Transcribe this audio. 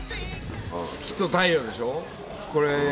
月と太陽でしょ？